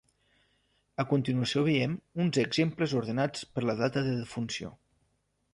A continuació veiem uns exemples ordenats per la data de defunció.